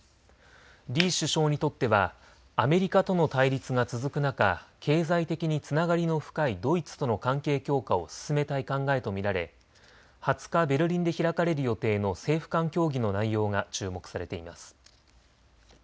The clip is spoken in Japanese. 李首相にとってはアメリカとの対立が続く中、経済的につながりの深いドイツとの関係強化を進めたい考えと見られ２０日、ベルリンで開かれる予定の政府間協議の内容が注目されています。